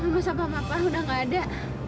ibu sama papa udah gak ada